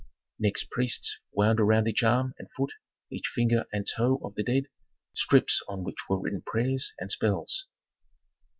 Next priests wound around each arm and foot, each finger and toe of the dead, strips on which were written prayers and spells.